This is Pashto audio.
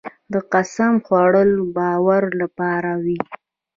د قسم خوړل د باور لپاره وي.